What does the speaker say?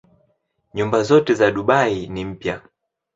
Nyumba zote za Dubai ni mpya.